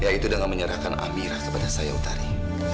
yaitu dengan menyerahkan amirah kepada saya utari